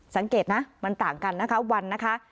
สังเกตนะมันต่างกันนะคะวันนะคะ